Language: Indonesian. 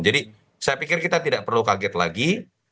jadi saya pikir kita tidak perlu kaget lagi